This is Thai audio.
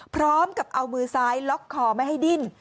พร้อมกับเอามือซ้ายล็อกคอไม่ให้ดิ้น